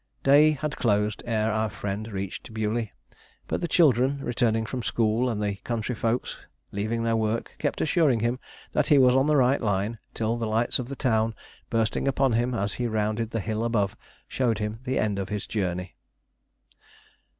Day had closed ere our friend reached Bewley, but the children returning from school, and the country folks leaving their work, kept assuring him that he was on the right line, till the lights of the town, bursting upon him as he rounded the hill above, showed him the end of his journey.